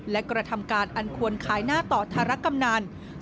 และกระทำการอันควรขายหน้าต่อธารกำนัน